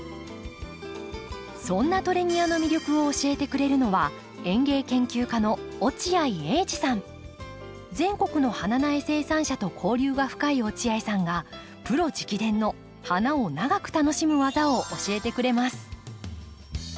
そんなトレニアの魅力を教えてくれるのは全国の花苗生産者と交流が深い落合さんがプロ直伝の花を長く楽しむ技を教えてくれます。